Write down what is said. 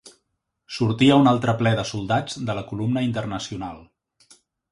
Sortia un altre ple de soldats de la Columna Internacional